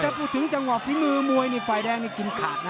แต่พูดถึงจังหวัดพิมูนมวยนี่ฝ่ายแดงนี่กินขาดนะครับ